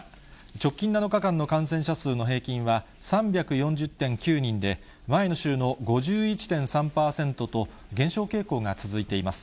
直近７日間の感染者数の平均は３４０．９人で、前の週の５１．３％と、減少傾向が続いています。